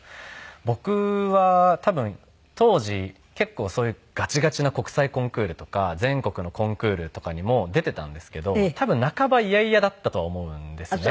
僕は多分当時結構そういうガチガチな国際コンクールとか全国のコンクールとかにも出てたんですけど多分半ば嫌々だったとは思うんですね。